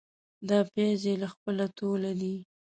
دا پیاز يې له خپله توله دي.